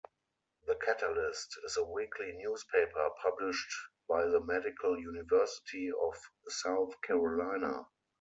"The Catalyst" is a weekly newspaper published by the Medical University of South Carolina.